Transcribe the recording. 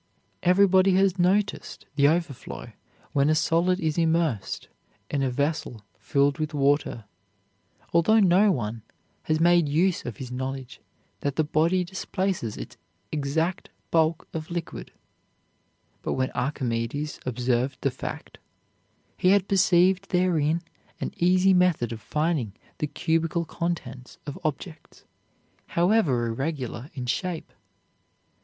Everybody had noticed the overflow when a solid is immersed in a vessel filled with water, although no one had made use of his knowledge that the body displaces its exact bulk of liquid; but when Archimedes observed the fact, he perceived therein an easy method of finding the cubical contents of objects, however irregular in shape.